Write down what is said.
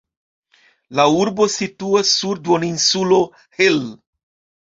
La urbo situas sur duoninsulo Hel.